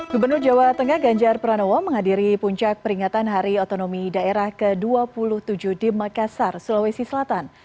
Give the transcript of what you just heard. gubernur jawa tengah ganjar pranowo menghadiri puncak peringatan hari otonomi daerah ke dua puluh tujuh di makassar sulawesi selatan